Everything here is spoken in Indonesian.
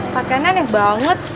pakean yang aneh banget